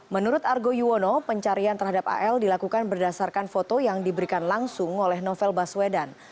menurut argo yuwono pencarian terhadap al dilakukan berdasarkan foto yang diberikan langsung oleh novel baswedan